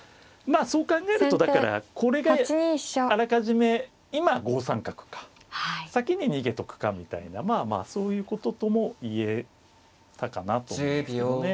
そう考えるとだからこれがあらかじめ今５三角か先に逃げとくかみたいなまあまあそういうこととも言えたかなと思いますけどね。